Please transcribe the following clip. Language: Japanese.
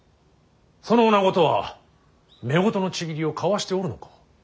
その女子とは夫婦の契りを交わしておるのか。